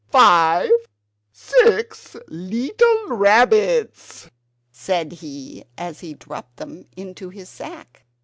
five! six leetle rabbits!" said he as he dropped them into his sack.